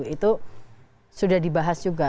itu sudah dibahas juga